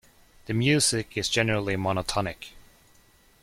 The music is generally monotonic.